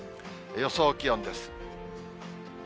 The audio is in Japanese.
予想気温です。